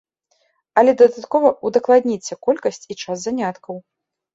Але дадаткова ўдакладніце колькасць і час заняткаў.